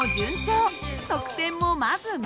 得点もまずまず。